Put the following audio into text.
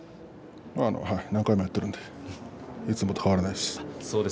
何回もやっているのでいつもと変わらないです。